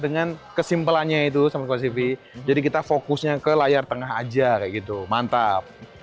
dengan kesimpelannya itu sama klosifi jadi kita fokusnya ke layar tengah aja kayak gitu mantap